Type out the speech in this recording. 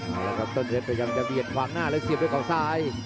แล้วก็ต้นเทศพยายามจะเบียดฟังหน้าและเสียบด้วยกล่องซ้าย